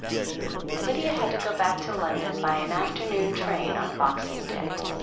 XIV Lydia had to go back to London by an afternoon train on Boxing Day.